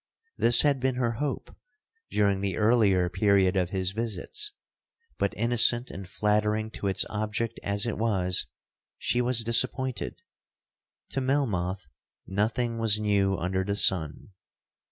'This had been her hope during the earlier period of his visits; but innocent and flattering to its object as it was, she was disappointed. To Melmoth 'nothing was new under the sun.'